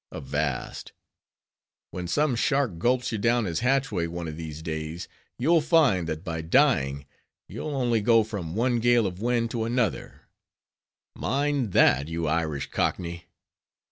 Avast! when some shark gulps you down his hatchway one of these days, you'll find, that by dying, you'll only go from one gale of wind to another; mind that, you Irish cockney!